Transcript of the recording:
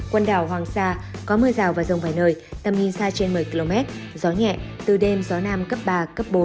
quần đảo hoàng sa có mưa rào và rông vài nơi tầm nhìn xa trên một mươi km gió nhẹ từ đêm gió nam cấp ba cấp bốn